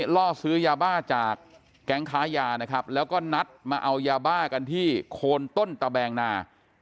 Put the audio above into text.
ล่อซื้อยาบ้าจากแก๊งค้ายานะครับแล้วก็นัดมาเอายาบ้ากันที่โคนต้นตะแบงนา